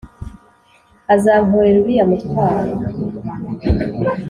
azankorera uriya mutwaro.